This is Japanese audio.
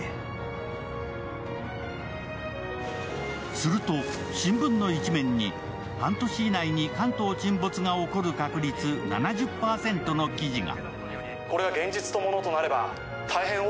すると新聞の１面に半年以内に関東沈没が起こる確率７０％の記事が。